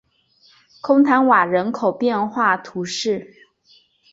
孔坦瓦人口变化图示